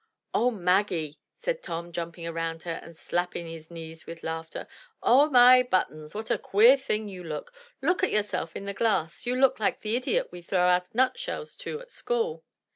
"Oh, Maggie," said Tom, jumping around her, and slapping his knees as he laughed, "Oh, my buttons! what a queer thing you look! Look at yourself in the glass; you look like the idiot we throw out nut shells to at school."